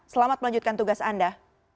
selamat melanjutkan tugas anda